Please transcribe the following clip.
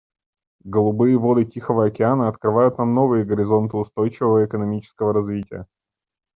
Голубые воды Тихого океана открывают нам новые горизонты устойчивого экономического развития.